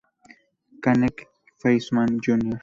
Canek Jr y Fishman Jr.